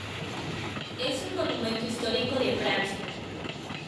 Es un monumento histórico de Francia.